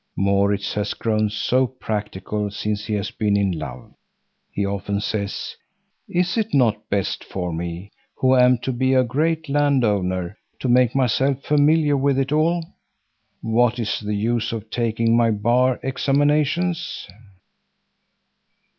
Maurits has grown so practical since he has been in love. He often says: "Is it not best for me, who am to be a great landowner, to make myself familiar with it all? What is the use of taking my bar examinations?"